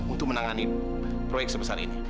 untuk menangani proyek sebesar ini